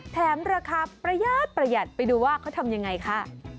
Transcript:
แถมราคาประหยัดประหยัดไปดูว่าเขาทำยังไงค่ะ